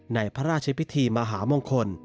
ในพระราชพิธีมหามงคล